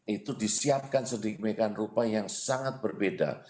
itu disiapkan sedemikian rupa yang sangat berbeda